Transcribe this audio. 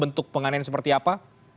bentuk penganiayaan seperti apa